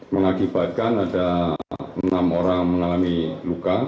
mengakibatkan ada enam orang mengalami luka